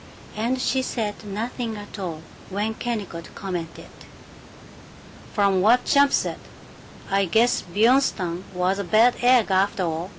And she said nothing at all when Kennicott commented, "From what Champ says, I guess Bjornstam was a bad egg, after all.